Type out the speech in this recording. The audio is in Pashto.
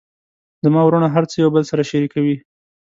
زما وروڼه هر څه یو بل سره شریکوي